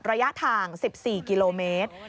ระยะทาง๑๔กิโลเมตร